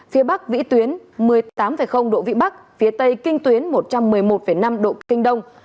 phía bắc vĩ tuyến một mươi tám độ vĩ bắc phía tây kinh tuyến một trăm một mươi một năm độ kinh đông